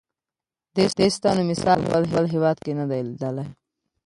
دې ستنو مثال مې په بل هېواد کې نه دی لیدلی.